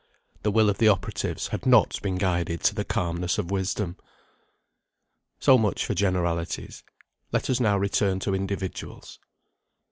The will of the operatives had not been guided to the calmness of wisdom. So much for generalities. Let us now return to individuals.